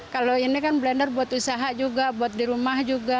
kalau ini kan blender buat usaha juga buat di rumah juga